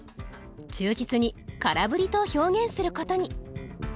忠実に「空振り」と表現することに。